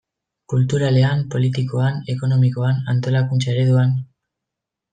Kulturalean, politikoan, ekonomikoan, antolakuntza ereduan...